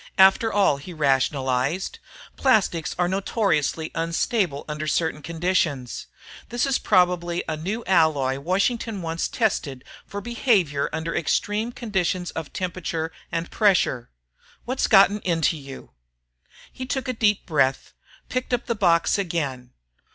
After all, he rationalized, _plastics are notoriously unstable under certain conditions. This is probably a new alloy Washington wants tested for behavior under extreme conditions of temperature and pressure. What's gotten into you?_ He took a deep breath, picked up the box again.